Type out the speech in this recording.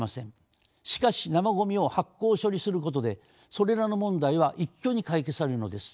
しかし生ごみを発酵処理することでそれらの問題は一挙に解決されるのです。